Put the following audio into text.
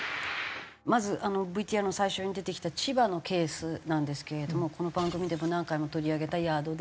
まずＶＴＲの最初に出てきた千葉のケースなんですけれどもこの番組でも何回も取り上げたヤードで。